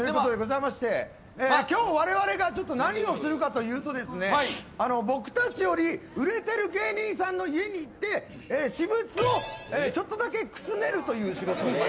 今日、我々が何をするかというと僕たちより売れている芸人さんの家に行って私物をちょっとだけくすねるという企画です。